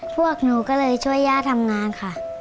พวกหนูก็เลยช่วยย่าทำงานค่ะ